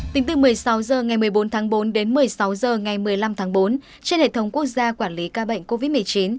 tính từ một mươi sáu h ngày một mươi bốn tháng bốn đến một mươi sáu h ngày một mươi năm tháng bốn trên hệ thống quốc gia quản lý ca bệnh covid một mươi chín